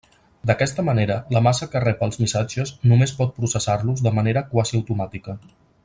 D'aquesta manera la massa que rep els missatges només pot processar-los de manera quasi automàtica.